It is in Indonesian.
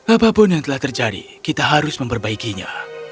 apapun yang telah terjadi kita harus memperbaikinya